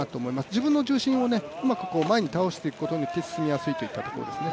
自分の中心を前に倒していくことで進みやすいといったところですね。